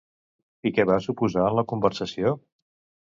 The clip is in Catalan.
I què va suposar en la conversació?